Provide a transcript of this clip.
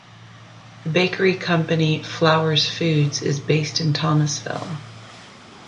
The bakery company Flowers Foods is based in Thomasville.